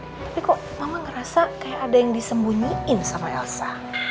tapi kok mama ngerasa kayak ada yang disembunyiin sama elsa